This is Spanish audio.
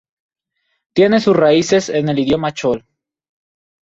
Tiene sus raíces en el idioma chol.